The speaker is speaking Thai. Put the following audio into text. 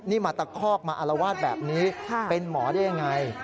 นี่มาตะคอกมาอารวาสแบบนี้เป็นหมอได้ยังไง